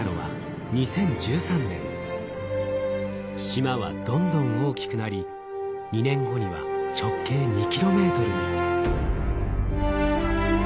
島はどんどん大きくなり２年後には直径２ｋｍに。